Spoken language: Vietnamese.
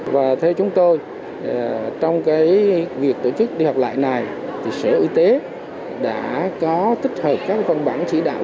và theo chúng tôi trong việc tổ chức đi học lại này thì sở y tế đã có tích hợp các văn bản chỉ đạo